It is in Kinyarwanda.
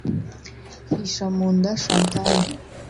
Hishamunda Chantal